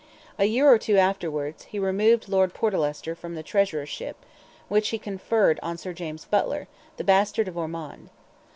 A year or two afterwards, he removed Lord Portlester, from the Treasurership, which he conferred on Sir James Butler, the bastard of Ormond.